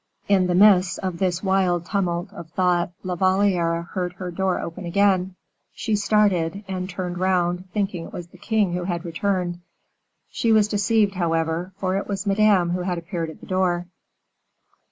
In the midst of this wild tumult of thoughts, La Valliere heard her door open again; she started, and turned round, thinking it was the king who had returned. She was deceived, however, for it was Madame who appeared at the door.